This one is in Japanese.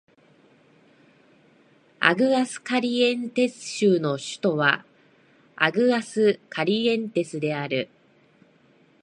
アグアスカリエンテス州の州都はアグアスカリエンテスである